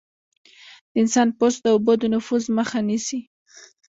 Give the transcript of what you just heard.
د انسان پوست د اوبو د نفوذ مخه نیسي.